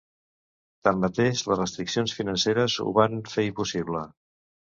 Tanmateix, las restriccions financeres ho van fer impossible.